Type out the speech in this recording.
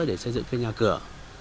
để xây dựng cái nhà cửa